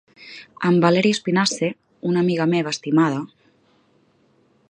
Amb Válerie Espinasse, una amiga meva estimada,….